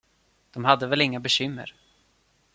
De hade väl inga bekymmer.